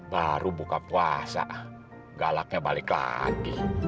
baru buka puasa galaknya balik lagi